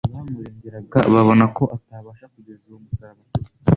Abamurenganyaga babona ko atabasha kugeza uwo musaraba kure